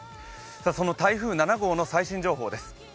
その台風７号の最新情報です。